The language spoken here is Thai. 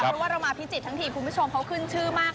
เพราะว่าเรามาพิจิตรทั้งทีคุณผู้ชมเขาขึ้นชื่อมาก